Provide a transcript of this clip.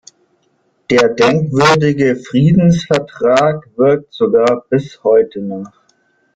Der denkwürdige Friedensvertrag wirkt sogar bis heute nach.